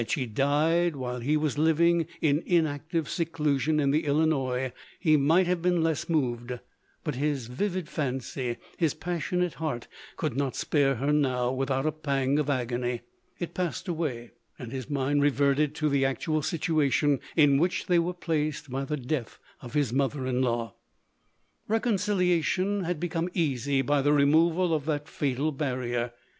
Had she died while he was living in inactive seclusion in the Illinois, he might have been less moved ; his vivid fancy, his passionate heart, could not spare her now, without a pang of agony. It passed away, and his mind reverted to the actual situation in which they were placed by the death of his mother in law. Reconciliation had become easy by the removal of that fatal barrier.